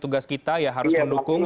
tugas kita ya harus mendukung